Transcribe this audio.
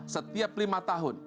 setiap lima tahun